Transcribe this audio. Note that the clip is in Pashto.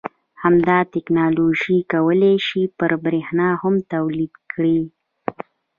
همدا تکنالوژي کولای شي چې بریښنا هم تولید کړي